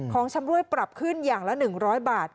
ชำรวยปรับขึ้นอย่างละ๑๐๐บาท